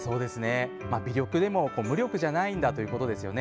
微力でも、無力じゃないんだということですよね。